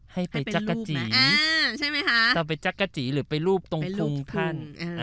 ให้ไปจักรจีหรือไปรูปตรงพุงท่าน